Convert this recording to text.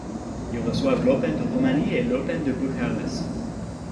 Ils reçoivent l'Open de Roumanie et l'Open de Bucarest.